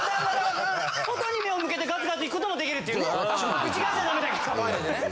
外に目を向けてガツガツ行くことも出来るっていうね。